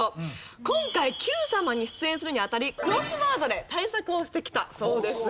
今回『Ｑさま！！』に出演するにあたりクロスワードで対策をしてきたそうです。